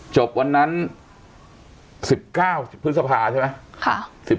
วันนั้น๑๙พฤษภาใช่ไหม